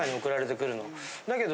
だけど。